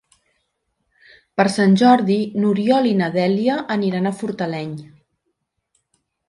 Per Sant Jordi n'Oriol i na Dèlia aniran a Fortaleny.